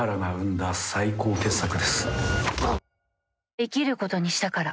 生きることにしたから。